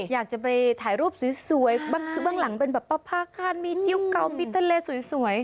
อยากจะไปถ่ายรูปสวยบ้างหลังเป็นแบบภาคาดมีเกาะมีทะเลสวย